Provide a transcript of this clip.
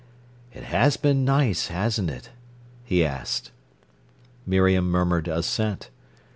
"It has been nice, hasn't it?" he asked. Miriam murmured assent.